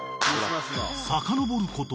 ［さかのぼること］